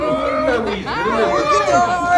A wi yeddren ad d-yawi ttbut.